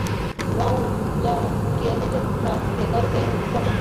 Brown, যাও গিয়ে Major বেকারকে ডাকো।